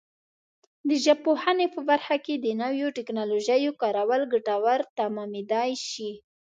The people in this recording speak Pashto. د ژبپوهنې په برخه کې د نویو ټکنالوژیو کارول ګټور تمامېدای شي.